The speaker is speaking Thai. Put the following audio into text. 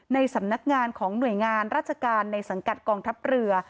ในสำนักงานของหน่วยงานราชการในสังกัดกองทัพเรือ